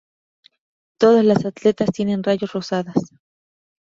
Todas las aletas tienen rayos rosadas.